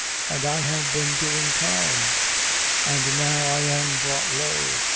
And I have been doing time. And now I am brought low."